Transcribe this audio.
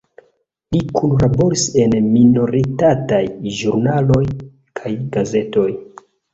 Li kunlaboris en minoritataj ĵurnaloj kaj gazetoj.